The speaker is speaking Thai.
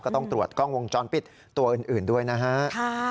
ต้องตรวจกล้องวงจรปิดตัวอื่นด้วยนะฮะ